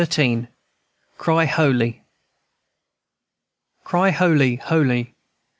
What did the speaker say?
CRY HOLY. "Cry holy, holy!